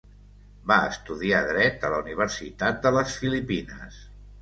Va estudiar dret a la Universitat de les Filipines.